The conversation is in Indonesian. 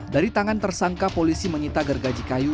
dari tangan tersangka polisi menyita gergaji kayu